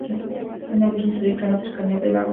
La villa se ubica en las cercanías del lago homónimo.